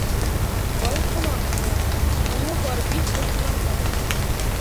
Бай ҡолаҡ һала: моңо бар бит был малайҙың!